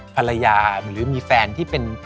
ภรรยาหรือมีแฟนที่เป็น